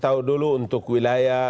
oh begitu ya